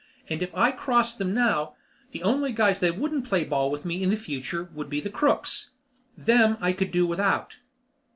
And if I crossed them now, the only guys that wouldn't play ball with me in the future would be the crooks. Them I could do without.